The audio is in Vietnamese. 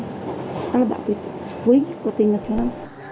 đó là bản thân quý nhất của cô tinh ở trong đó